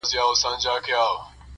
کرونا راغلې پر خلکو غم دی!.